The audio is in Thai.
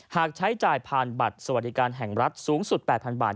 หากใช้จ่ายผ่านบัตรสวัสดิการแห่งรัฐสูงสุด๘๐๐บาท